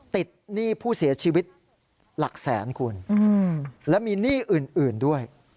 หนี้ผู้เสียชีวิตหลักแสนคุณและมีหนี้อื่นด้วย